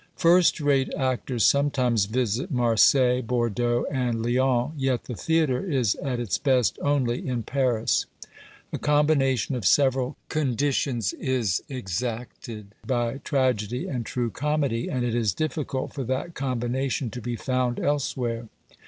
First rate actors sometimes visit Marseilles, Bordeaux and Lyons, yet the theatre is at its best only in Paris. A com bination of several conditions is exacted by tragedy and true comedy, and it is difficult for that combination to be found elsewhere.